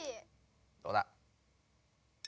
どうだ？